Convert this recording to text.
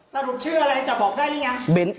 สรุปชื่ออะไรจะบอกได้หรือยัง